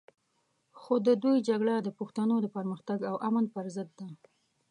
خو د دوی جګړه د پښتنو د پرمختګ او امن پر ضد ده.